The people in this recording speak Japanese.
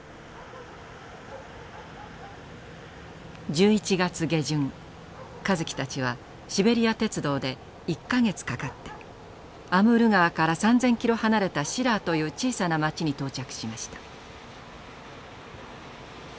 １１月下旬香月たちはシベリア鉄道で１か月かかってアムール川から３，０００キロ離れたシラーという小さな町に到着しました。